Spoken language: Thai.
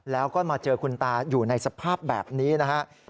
แล้วก็มาเจอคุณตาอยู่ในสภาพแบบนี้นะครับ